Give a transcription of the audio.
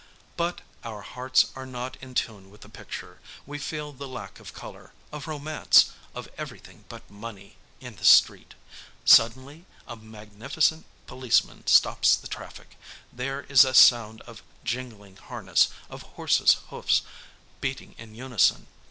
But our hearts are not in tune with the picture; we feel the lack of colour, of romance, of everything but money, in the street. Suddenly a magnificent policeman stops the traffic; there is a sound of jingling harness, of horses' hoofs beating in unison.